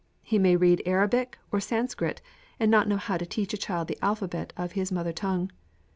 He may read Arabic or Sanskrit, and not know how to teach a child the alphabet of his mother tongue.